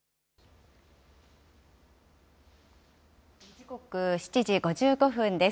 時刻７時５５分です。